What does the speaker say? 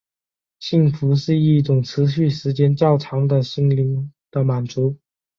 幸福是一种持续时间较长的心灵的满足。